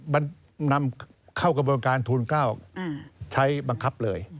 มันนำเข้ากระบวนการทูล๙ใช้บังคับเลย